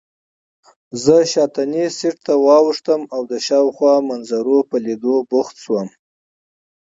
زه شاتني سېټ ته واوښتم او د شاوخوا منظرو په لیدو بوخت شوم.